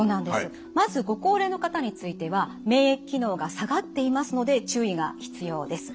まずご高齢の方については免疫機能が下がっていますので注意が必要です。